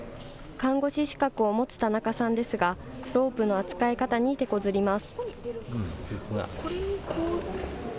看護師資格を持つ田中さんですが、ロープの扱い方にてこずります。